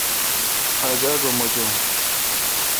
آج آگہ موچون۔